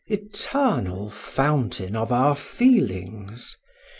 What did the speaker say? —Eternal Fountain of our feelings!